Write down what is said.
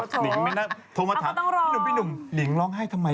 คนต้องร้องอ้อเค้าต้องถามพี่หนุ่มว่าลิงร้องไห้ทำไม